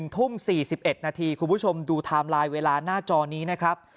ทุ่ม๔๑นาทีคุณผู้ชมดูไทม์ไลน์เวลาหน้าจอนี้นะครับ